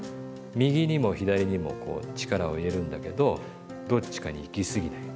右にも左にもこう力を入れるんだけどどっちかにいきすぎない。